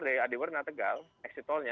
di adiwurna tegal exit tolnya